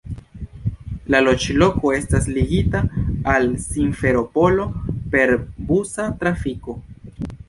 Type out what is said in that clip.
La loĝloko estas ligita al Simferopolo per busa trafiko.